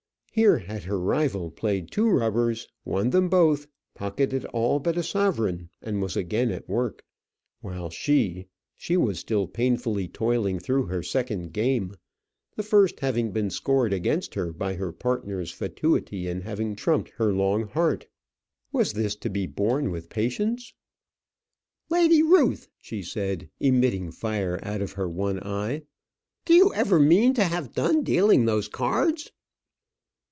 Here had her rival played two rubbers, won them both, pocketed all but a sovereign, and was again at work; while she, she was still painfully toiling through her second game, the first having been scored against her by her partner's fatuity in having trumped her long heart. Was this to be borne with patience? "Lady Ruth," she said, emitting fire out of her one eye, "do you ever mean to have done dealing those cards?"